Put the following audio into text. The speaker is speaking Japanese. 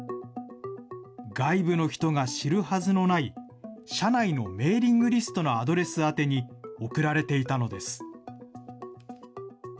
外部の人が知るはずのない社内のメーリングリストのアドレス宛に送られていたのです。